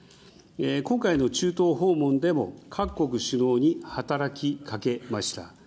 今回の中東訪問でも各国首脳に働きかけました。